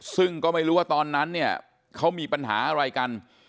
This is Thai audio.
ซึ่งก็ไม่รู้ว่าตอนนั้นเนี่ยเขามีปัญหาอะไรกัน